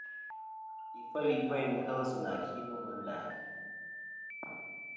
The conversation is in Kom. Ifel i gveyn kel sɨ nà ki nô mɨ nda.